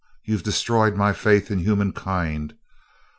You've destroyed my faith in human kind.